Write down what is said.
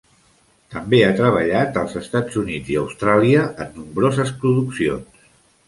També ha treballat als Estats Units i Austràlia, en nombroses produccions.